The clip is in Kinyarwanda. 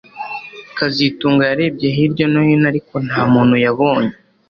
kazitunga yarebye hirya no hino ariko nta muntu yabonye